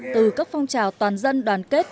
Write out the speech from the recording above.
từ các phong trào toàn dân đoàn kết